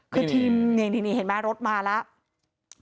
คือทีมนี่เห็นไหมรถมาแล้ว